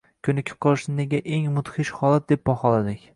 Ko‘nikib qolishni nega eng mudhish holat deb baholadik?